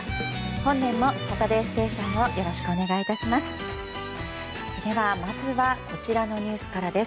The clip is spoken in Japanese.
本年も「サタデーステーション」をよろしくお願いいたします。